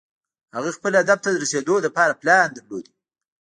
هغه خپل هدف ته د رسېدو لپاره پلان درلود.